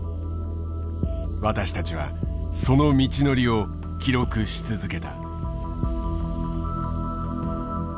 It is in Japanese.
私たちはその道のりを記録し続けた。